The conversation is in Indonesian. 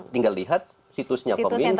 tinggal lihat situsnya peminfo